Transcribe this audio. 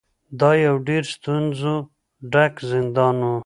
دا یو ډیر ستونزو ډک زندان و.